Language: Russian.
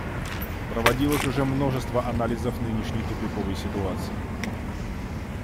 Проводилось уже множество анализов нынешней тупиковой ситуации.